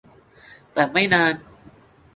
แต่ไม่นาน